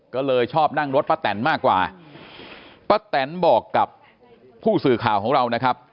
ก็เลยชอบนั่งรถป้าแตนมากกว่าป้าแตนบอกกับผู้สื่อข่าวของเรานะครับ